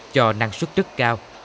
cho năng suất rất cao